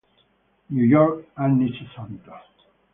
New York, anni sessanta.